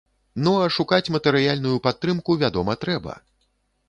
Ну, а шукаць матэрыяльную падтрымку, вядома, трэба.